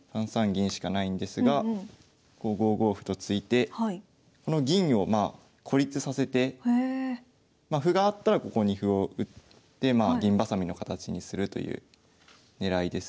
銀しかないんですが５五歩と突いてこの銀を孤立させて歩があったらここに歩を打ってという狙いですね。